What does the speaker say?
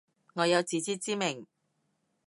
我有自知之明